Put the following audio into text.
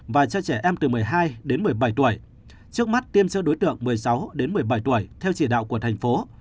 và cho trẻ em từ một mươi hai đến một mươi bảy tuổi trước mắt tiêm cho đối tượng một mươi sáu đến một mươi bảy tuổi theo chỉ đạo của thành phố